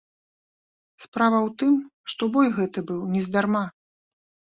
Справа ў тым, што бой гэты быў нездарма.